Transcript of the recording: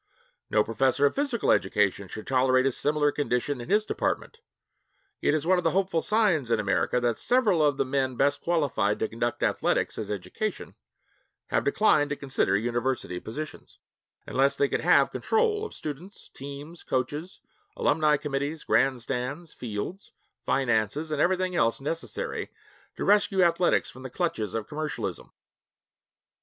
No professor of physical education should tolerate a similar condition in his department. It is one of the hopeful signs in America that several of the men best qualified to conduct athletics as education have declined to consider university positions, unless they could have control of students, teams, coaches, alumni committees, grandstands, fields, finances, and everything else necessary to rescue athletics from the clutches of commercialism.